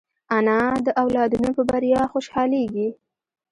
انا د اولادونو په بریا خوشحالېږي